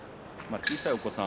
小さいお子さん